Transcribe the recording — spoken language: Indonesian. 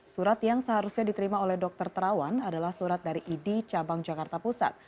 surat yang seharusnya diterima oleh dokter terawan adalah surat dari idi cabang jakarta pusat